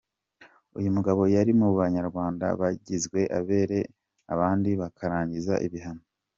Uyu mugabo ari mu Banyarwanda bagizwe abere abandi bakarangiza ibihano.